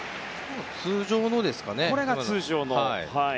通常のですかね。